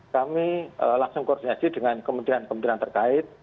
kami langsung koordinasi dengan kementerian kementerian terkait